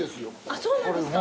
そうなんですか？